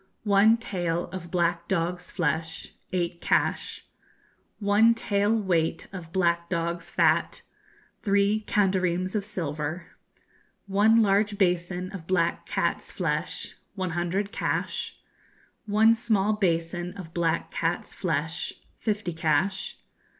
One tael of black dog's flesh eight cash. One tael weight of black dog's fat three kandareems of silver. One large basin of black cat's flesh one hundred cash. One small basin of black cat's flesh fifty cash.